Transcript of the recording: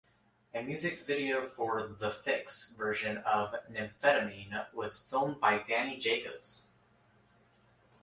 A music video for the "Fix" version of "Nymphetamine" was filmed by Dani Jacobs.